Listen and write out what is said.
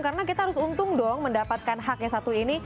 karena kita harus untung dong mendapatkan hak yang satu ini